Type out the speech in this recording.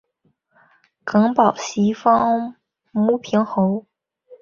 耿宝袭封牟平侯。